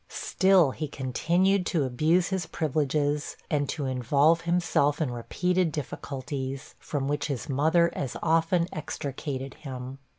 Still he continued to abuse his privileges, and to involve himself in repeated difficulties, from which his mother as often extricated him.